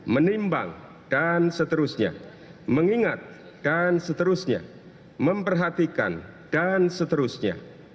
menimbang dan seterusnya mengingat dan seterusnya memperhatikan dan seterusnya